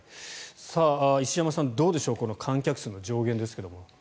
石山さん、どうでしょうこの観客数の上限ですが。